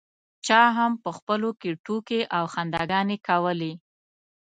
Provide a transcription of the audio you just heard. چا هم په خپلو کې ټوکې او خنداګانې کولې.